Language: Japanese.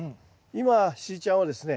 今しーちゃんはですね